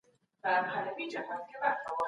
کورنیو جګړو او د هغې له بدبختیو څخه خوندي پاته